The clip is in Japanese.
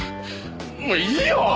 もういいよ！